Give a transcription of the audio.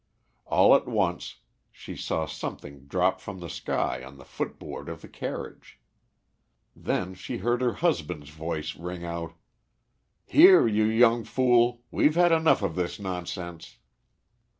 All at once she saw something drop from the sky on the footboard of the carriage. Then she heard her husband's voice ring out "Here, you young fool, we've had enough of this nonsense."